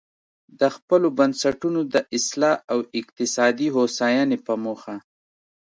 د خپلو بنسټونو د اصلاح او اقتصادي هوساینې په موخه.